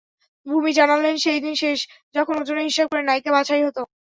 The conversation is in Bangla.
ভূমি জানালেন, সেই দিন শেষ, যখন ওজনের হিসাব করে নায়িকা বাছাই হতো।